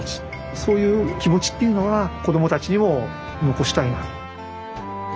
そういう気持ちっていうのは子供たちにも残したいな。